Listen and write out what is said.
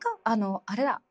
あのあれだ。